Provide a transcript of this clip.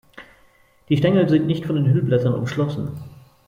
Die Stängel sind nicht von den Hüllblättern umschlossen.